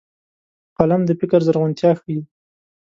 قلم د فکر زرغونتيا ښيي